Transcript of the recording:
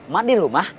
mak di rumah